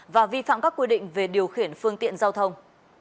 và vi phạm các quy định về điều khiển phương tiện giao thông